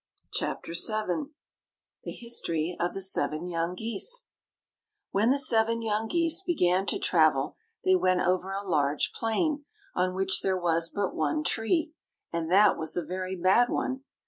CHAPTER VII THE HISTORY OF THE SEVEN YOUNG GEESE When the seven young geese began to travel, they went over a large plain, on which there was but one tree, and that was a very bad one.